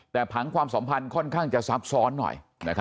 แต่ผังความสัมพันธ์ค่อนข้างจะซับซ้อนหน่อย